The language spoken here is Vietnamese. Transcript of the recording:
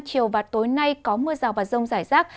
chiều và tối nay có mưa rào và rông rải rác